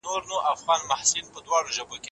لاریونونه په سوله ایز ډول ترسره کیدل.